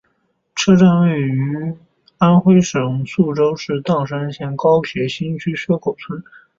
车站位于安徽省宿州市砀山县高铁新区薛口村。